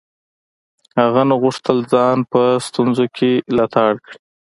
هغه نه غوښتل ځان په ستونزو کې لتاړ کړي.